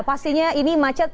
pastinya ini macet